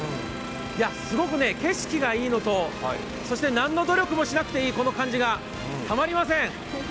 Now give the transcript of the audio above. すごく景色がいいのと何の努力もしなくていい感じがたまりません。